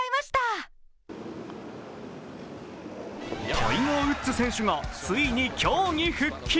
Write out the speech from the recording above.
タイガー・ウッズ選手がついに競技復帰。